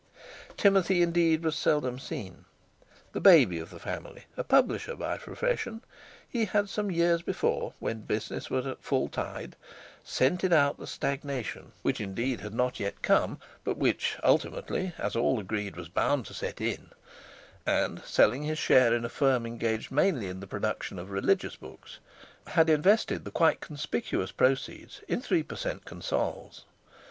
Timothy, indeed, was seldom seen. The baby of the family, a publisher by profession, he had some years before, when business was at full tide, scented out the stagnation which, indeed, had not yet come, but which ultimately, as all agreed, was bound to set in, and, selling his share in a firm engaged mainly in the production of religious books, had invested the quite conspicuous proceeds in three per cent. consols.